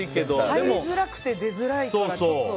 入りづらくて出づらいから。